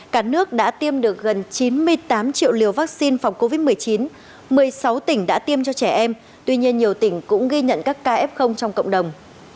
cả nước đã tiêm được gần chín mươi tám triệu liều vaccine phòng covid một mươi chín một mươi sáu tỉnh đã tiêm cho trẻ em tuy nhiên nhiều tỉnh cũng ghi nhận các ca f trong cộng đồng